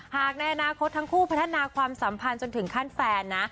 ในอนาคตทั้งคู่พัฒนาความสัมพันธ์จนถึงขั้นแฟนนะ